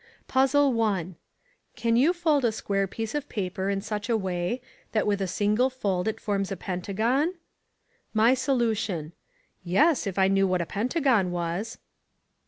Puzzle I Can you fold a square piece of paper in such a way that with a single fold it forms a pentagon? My Solution: Yes, if I knew what a pentagon was.